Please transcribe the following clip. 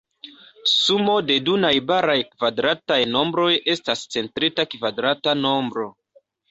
Sumo de du najbaraj kvadrataj nombroj estas centrita kvadrata nombro.